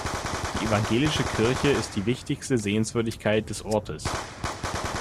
Die evangelische Kirche ist die wichtigste Sehenswürdigkeit des Ortes.